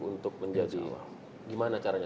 untuk menjadi gimana caranya